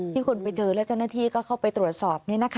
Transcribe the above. คนไปเจอและเจ้าหน้าที่ก็เข้าไปตรวจสอบ